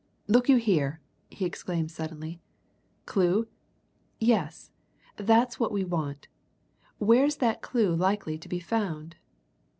"Look you here!" he exclaimed suddenly. "Clue? Yes, that's what we want. Where's that clue likely to be found?